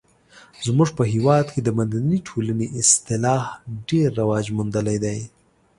زموږ په هېواد کې د مدني ټولنې اصطلاح ډیر رواج موندلی دی.